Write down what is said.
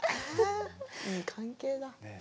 いい関係だ。